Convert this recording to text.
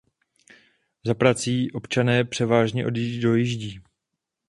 Za prací občané převážně dojíždějí.